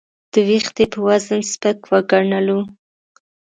د وېښتې په وزن سپک وګڼلو.